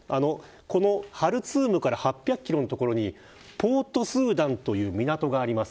ハルツームから８００キロの所にポートスーダンという港があります。